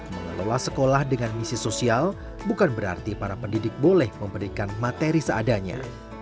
mengelola sekolah dengan misi sosial bukan berarti para pendidik boleh memberikan materi seadanya